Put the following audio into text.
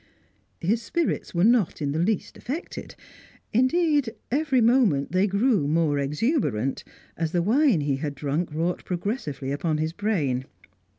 His spirits were not in the least affected; indeed, every moment they grew more exuberant, as the wine he had drunk wrought progressively upon his brain.